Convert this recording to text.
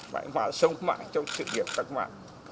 mãi mãi sống mãi trong sự kiện các bạn